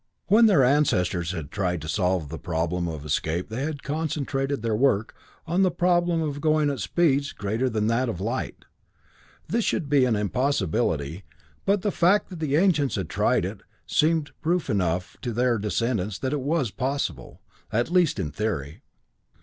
When their ancestors had tried to solve the problem of escape they had concentrated their work on the problem of going at speeds greater than that of light. This should be an impossibility, but the fact that the ancients had tried it, seemed proof enough to their descendants that it was possible, at least in theory.